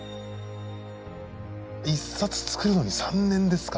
１冊作るのに３年ですか。